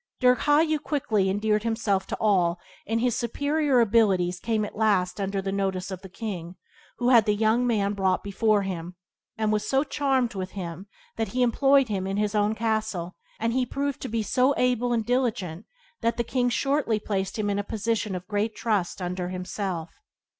Dirghayu quickly endeared himself to all, and his superior abilities came at last under the notice of the king, who had the young man brought before him, and was so charmed with him that he employed him in his own castle, and he proved to be so able and diligent that the king shortly placed him in a position of great trust under himself.